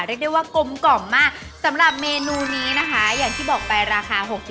เรียกได้ว่ากลมกล่อมมากสำหรับเมนูนี้นะคะอย่างที่บอกไปราคา๖๐